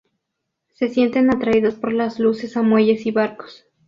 Se sienten atraídos por las luces a muelles y barcos.